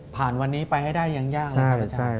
ผ่านวันนี้ไปให้ได้ยังยากเลยครับอาจารย์